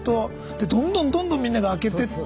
でどんどんどんどんみんなが開けてって。